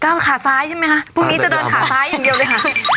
ขาซ้ายใช่ไหมคะพรุ่งนี้จะเดินขาซ้ายอย่างเดียวเลยค่ะ